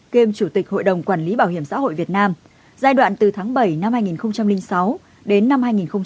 kiêm chủ tịch hội đồng quản lý bảo hiểm xã hội việt nam giai đoạn từ tháng bảy năm hai nghìn sáu đến năm hai nghìn một mươi